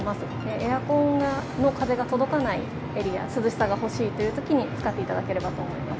エアコンの風が届かないエリア、涼しさが欲しいというときに使っていただければと思います。